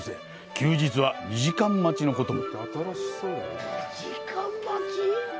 休日は２時間待ちのことも。